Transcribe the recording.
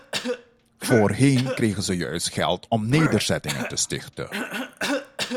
Voorheen kregen ze juist geld om nederzettingen te stichten.